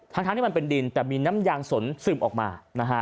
ทั้งที่มันเป็นดินแต่มีน้ำยางสนซึมออกมานะฮะ